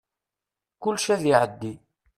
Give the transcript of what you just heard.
Kullec ad iɛeddi.